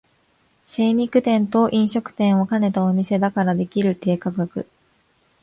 精肉店と飲食店を兼ねたお店だからできる低価格